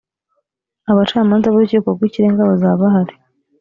abacamanza b urukiko rw ikirenga bazaba bahari